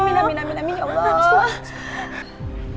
minah minah minah minah ya allah